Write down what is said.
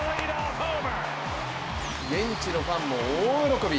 現地のファンも大喜び。